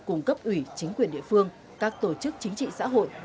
cung cấp ủy chính quyền địa phương các tổ chức chính trị xã hội